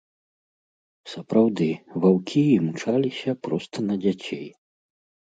Сапраўды, ваўкі імчаліся проста на дзяцей.